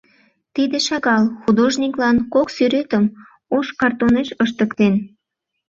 Тиде шагал — художниклан кок сӱретым ош картонеш ыштыктен.